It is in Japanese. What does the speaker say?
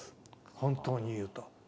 本当に言うと。